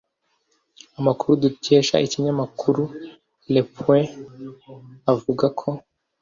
Amakuru dukesha ikinyamakuru le point avuga ko